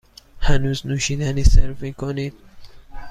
هنوز نوشیدنی سرو می کنید؟